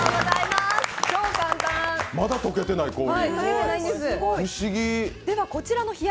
まだ溶けてない、氷！